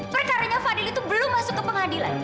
perkaranya fadil itu belum masuk ke pengadilan